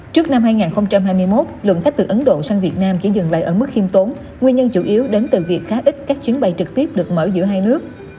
trước năm hai nghìn hai mươi một lượng khách từ ấn độ sang việt nam chỉ dừng lại ở mức khiêm tốn nguyên nhân chủ yếu đến từ việc khá ít các chuyến bay trực tiếp được mở giữa hai nước